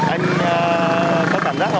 anh có cảm giác không